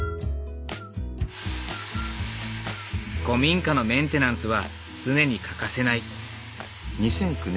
古民家のメンテナンスは常に欠かせない。